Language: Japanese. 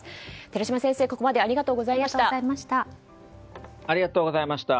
寺嶋先生、ここまでありがとうございました。